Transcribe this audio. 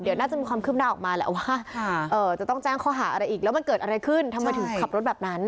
เดี๋ยวน่าจะมีความคืบหน้าออกมาแหละว่าจะต้องแจ้งข้อหาอะไรอีกแล้วมันเกิดอะไรขึ้นทำไมถึงขับรถแบบนั้น